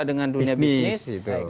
dengan dunia bisnis